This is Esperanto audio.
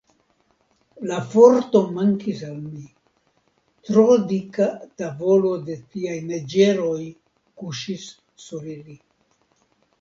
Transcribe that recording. La forto mankis al mi; tro dika tavolo de tiaj neĝeroj kuŝis sur ili.